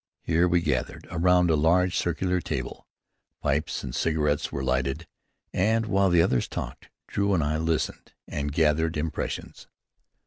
Here we gathered around a large circular table, pipes and cigarettes were lighted, and, while the others talked, Drew and I listened and gathered impressions.